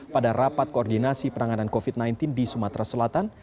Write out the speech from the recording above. pada rapat koordinasi penanganan covid sembilan belas di sumatera selatan